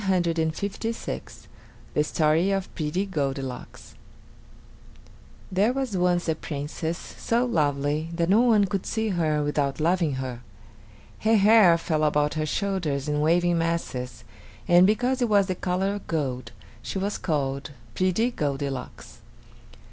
THE STORY OF PRETTY GOLDILOCKS There was once a Princess so lovely that no one could see her without loving her. Her hair fell about her shoulders in waving masses, and because it was the color of gold, she was called Pretty Goldilocks.